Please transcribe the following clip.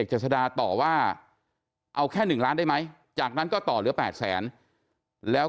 เจษดาต่อว่าเอาแค่๑ล้านได้ไหมจากนั้นก็ต่อเหลือ๘แสนแล้ว